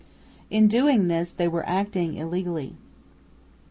In doing this they were acting illegally.